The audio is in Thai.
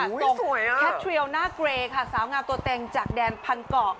แคทเทียลหน้าเกรค่ะสาวงามตัวเต็งจากแดนพันเกาะ